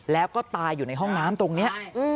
แล้วก็ตายอยู่ในห้องน้ำตรงนี้